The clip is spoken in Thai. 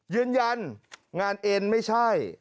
ยืนยันงานเอ็นไม่ใช่